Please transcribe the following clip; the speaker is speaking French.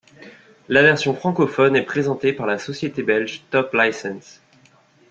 La version francophone est présentée par la société belge Top Licence.